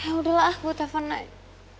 yaudahlah gua telfon naik